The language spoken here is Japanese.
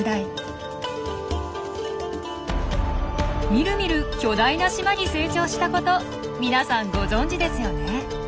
みるみる巨大な島に成長したこと皆さんご存じですよね。